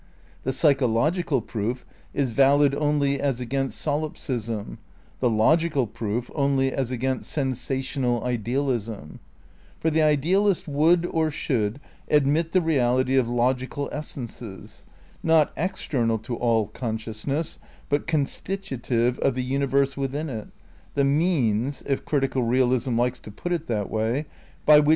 The psychological proof is valid only as against solipsism; the logical proof only as against sensational idealism. For the idealist would, or should, admit the reality of logical essences, not external to all consciousness but constitutive of the universe within it, the "means," if critical realism likes to put it that way, by which the * Three Proofs of Bealism {Essays in Critical Bealism), pp.